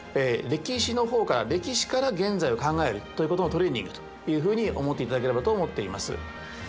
歴史の方から歴史から現在を考えるということのトレーニングというふうに思っていただければと思っています。